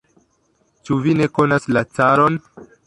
Ĉu vi ne konas la caron?